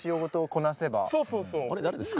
「これ誰ですか？」